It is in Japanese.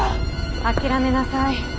諦めなさい。